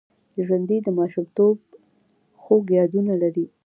ژوندي د ماشومتوب خوږ یادونه لري